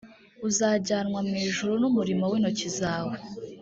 uzajyanwa mu ijuru n’ umurimo w’ intoki zawe